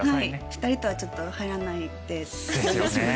２人とはちょっと入らないで。